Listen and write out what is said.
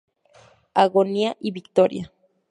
Agonía y victoria".